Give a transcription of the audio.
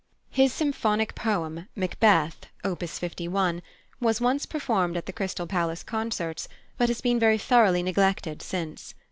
His symphonic poem, "Macbeth," op. 51, was once performed at the Crystal Palace concerts, but has been very thoroughly neglected since.